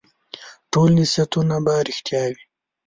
ټول نصیحتونه به رېښتیا وي ؟